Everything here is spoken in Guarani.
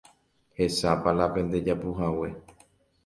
Hechápa la pendejapuhague